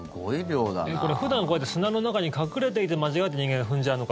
普段こうやって砂の中に隠れていて間違えて人間が踏んじゃうのか